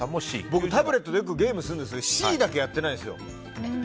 僕タブレットでよくゲームするんですけどＣだけやってないんですよ。